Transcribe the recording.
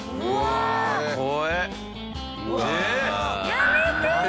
やめて！